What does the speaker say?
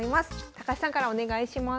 高橋さんからお願いします。